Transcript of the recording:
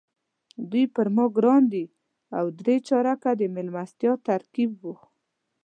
دوی پر ما ګران دي او درې چارکه د میلمستیا ترکیب وو.